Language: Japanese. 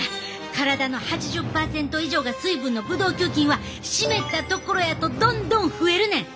体の８０％以上が水分のブドウ球菌は湿ったところやとどんどん増えるねん。